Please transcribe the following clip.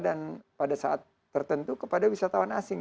dan pada saat tertentu kepada wisatawan asing